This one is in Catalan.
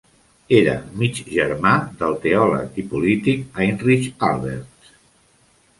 Era mig germà del teòleg i polític Heinrich Albertz.